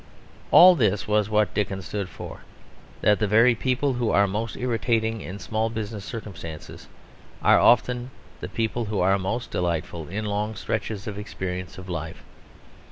All this was what Dickens stood for; that the very people who are most irritating in small business circumstances are often the people who are most delightful in long stretches of experience of life.